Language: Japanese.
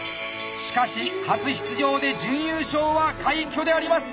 しかし初出場で準優勝は快挙であります。